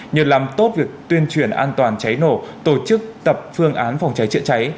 nhờ làm tốt việc tuyên truyền an toàn cháy nổ tổ chức tập phương án phòng cháy chữa cháy